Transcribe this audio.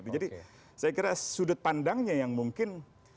jadi saya kira sudut pandangnya yang mungkin